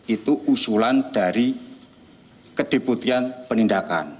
itu usulan dari kedeputian penindakan